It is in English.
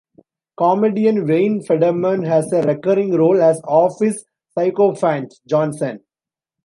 Comedian Wayne Federman has a recurring role as office sycophant, Johnson.